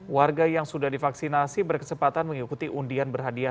warga yang sudah divaksinasi berkesempatan mengikuti undian berhadiah